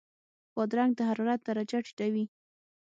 بادرنګ د حرارت درجه ټیټوي.